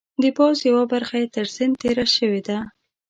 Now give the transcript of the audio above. د پوځ یوه برخه یې تر سیند تېره شوې ده.